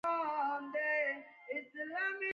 ټپي ته باید د شفا امید ورکړو.